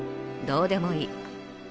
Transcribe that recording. どうでもいい。